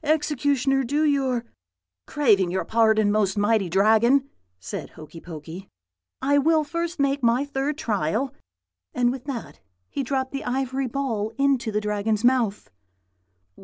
Executioner, do your ' "'Craving your pardon, most mighty Dragon,' said Hokey Pokey, 'I will first make my third trial;' and with that he dropped the ivory ball into the Dragon's mouth.